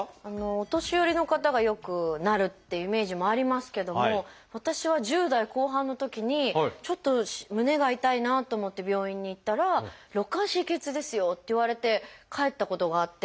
お年寄りの方がよくなるっていうイメージもありますけども私は１０代後半のときにちょっと胸が痛いなと思って病院に行ったら「肋間神経痛ですよ」って言われて帰ったことがあって。